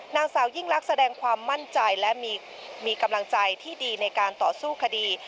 นางสาวยิ่งลักษณ์แสดงความมั่นใจและมีกำลังใจที่ดีในการต่อสู้คดี